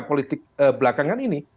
politik belakangan ini